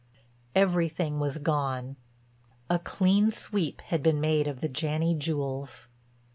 Everything was gone—a clean sweep had been made of the Janney jewels.